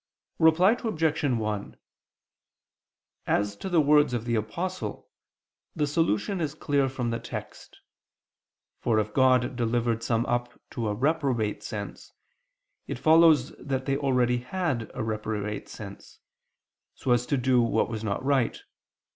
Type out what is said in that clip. Reply Obj. 1: As to the words of the Apostle, the solution is clear from the text. For if God delivered some up to a reprobate sense, it follows that they already had a reprobate sense, so as to do what was not right.